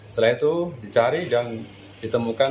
setelah itu dicari dan ditemukan